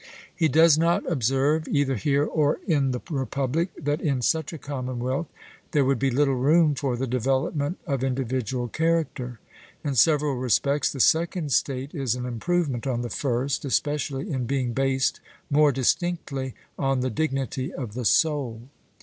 He does not observe, either here or in the Republic, that in such a commonwealth there would be little room for the development of individual character. In several respects the second state is an improvement on the first, especially in being based more distinctly on the dignity of the soul.